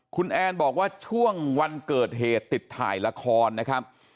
คุณแอนบอกว่าช่วงวันเกิดเหตุติดถ่ายละครนะครับ